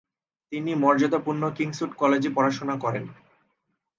তিনি মর্যাদাপূর্ণ কিংসউড কলেজে পড়াশোনা করেন।